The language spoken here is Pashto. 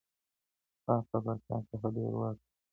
پاپ د پاچا څخه ډېر واک درلود.